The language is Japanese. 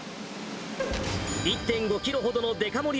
１．５キロほどのデカ盛り